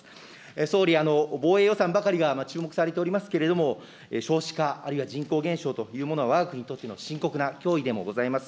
総理、防衛予算ばかりが注目されておりますけれども、少子化、あるいは人口減少というものは、わが国にとっての深刻な脅威でもございます。